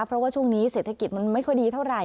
เพราะว่าช่วงนี้เศรษฐกิจมันไม่ค่อยดีเท่าไหร่